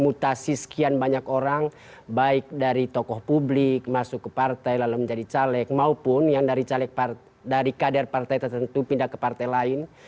mutasi sekian banyak orang baik dari tokoh publik masuk ke partai lalu menjadi caleg maupun yang dari kader partai tertentu pindah ke partai lain